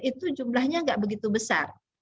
itu jumlahnya nggak begitu besar